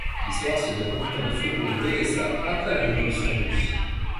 L'histoire se déroule dans les faubourgs d'Odessa après la révolution russe.